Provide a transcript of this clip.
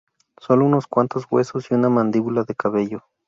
Sólo unos cuantos huesos y una mandíbula de caballo"".